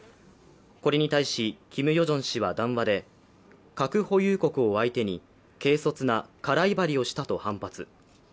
これに対しキム・ヨジョン氏は談話で、核保有国を相手に軽率な空威張りをしたと反発。